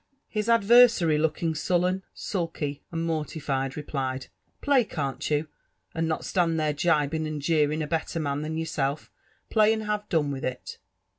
His adversary, looking sullen, sulky, and morliAed, replied :Play, ean*t you? and not stand there gibing and jeering a t>etter man dian yourself — play, and have done with it.''